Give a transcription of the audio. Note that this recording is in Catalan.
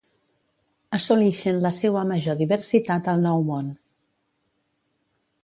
Assolixen la seua major diversitat al Nou Món.